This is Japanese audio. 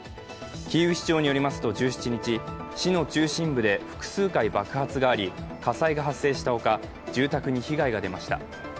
キーウ市長によりますと１７日市の中心部で複数回爆発があり火災が発生したほか住宅に被害が出ました。